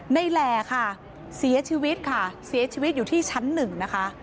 แหล่ค่ะเสียชีวิตค่ะเสียชีวิตอยู่ที่ชั้นหนึ่งนะคะ